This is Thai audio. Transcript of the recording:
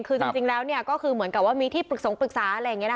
คือจริงแล้วเนี่ยก็คือเหมือนกับว่ามีที่ปรึกษาอะไรอย่างนี้นะคะ